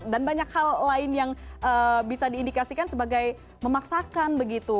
banyak hal lain yang bisa diindikasikan sebagai memaksakan begitu